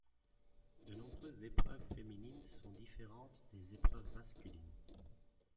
De nombreuses épreuves féminines sont différentes des épreuves masculines.